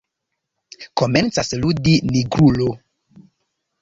Komencas ludi Nigrulo.